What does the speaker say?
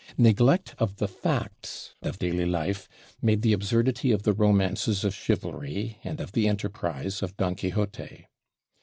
Neglect of the facts of daily life made the absurdity of the romances of chivalry and of the enterprise of Don Quixote.